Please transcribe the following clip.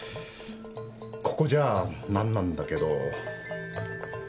ここじゃ何なんだけど。